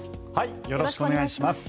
よろしくお願いします。